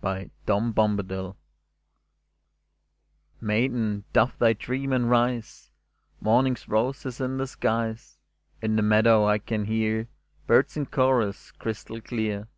68 • MADRIGAL Maiden, doff thy dream, and rise I Morning's rose is in the skies ; In the meadow I can hear Birds in chorus crystal clear.